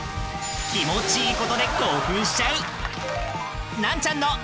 ［気持ちいいことで興奮しちゃう］